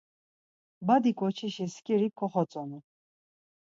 Badi ǩoçişi skirik koxotzonu.